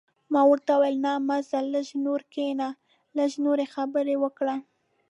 ما ورته وویل: نه، مه ځه، لږ نور کښېنه، لږ نورې خبرې وکړه.